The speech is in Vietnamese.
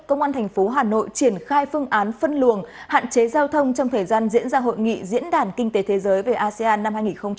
công an thành phố hà nội triển khai phương án phân luồng hạn chế giao thông trong thời gian diễn ra hội nghị diễn đàn kinh tế thế giới về asean năm hai nghìn hai mươi